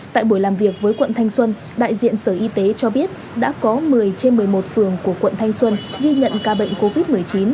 tại buổi làm việc với quận thanh xuân đại diện sở y tế cho biết đã có một mươi trên một mươi một phường của quận thanh xuân ghi nhận ca bệnh covid một mươi chín